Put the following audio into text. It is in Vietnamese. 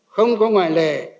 không có ngoại lệ